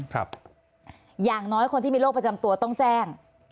อย่างน้อยคนที่มีโรคประจำตัวต้องแจ้ง